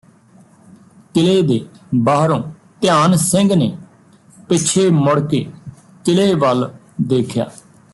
ਕਿਲ੍ਹੇ ਦੇ ਬਾਹਰੋਂ ਧਿਆਨ ਸਿੰਘ ਨੇ ਪਿਛੇ ਮੁੜ ਕੇ ਕਿਲ੍ਹੇ ਵੱਲ ਦੇਖਿਆ